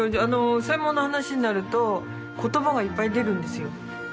専門の話になると言葉がいっぱい出るんですよ。